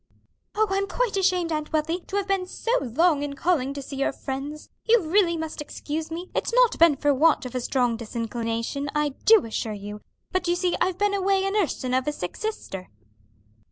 "Oh, I'm quite ashamed, Aunt Wealthy, to have been so long in calling to see your friends; you really must excuse me; it's not been for want of a strong disinclination, I do assure you: but you see I've been away a nursing of a sick sister."